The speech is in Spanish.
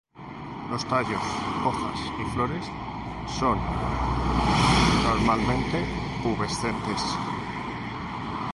Los tallos, hojas y flores son normalmente pubescentes.